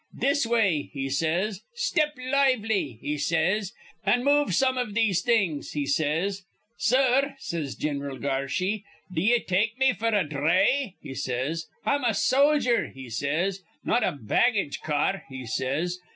'This way,' he says, 'step lively,' he says, 'an' move some iv these things,' he says. 'Sir,' says Gin'ral Garshy, 'd'ye take me f'r a dhray?' he says. 'I'm a sojer,' he says, 'not a baggage car,' he says.